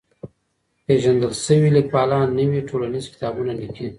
پېژندل سوي ليکوالان نوي ټولنيز کتابونه ليکي.